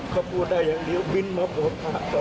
เขาพูดได้อย่างเดียวบินมาผม